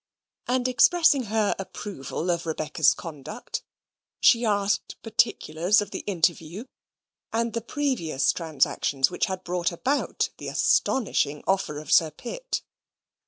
And expressing her approval of Rebecca's conduct, she asked particulars of the interview, and the previous transactions which had brought about the astonishing offer of Sir Pitt.